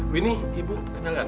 win ibu kenal nggak